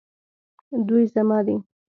دوی زما دي